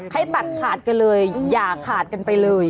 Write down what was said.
ให้ตัดขาดกันเลยอย่าขาดกันไปเลย